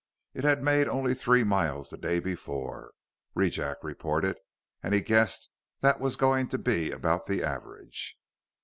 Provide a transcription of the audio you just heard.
It had made only three miles the day before, Rejack reported, and he guessed that was going to be about the average.